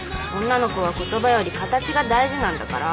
女の子は言葉より形が大事なんだから。